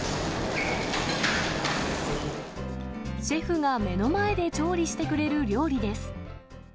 シェフが目の前で調理してくれる料理です。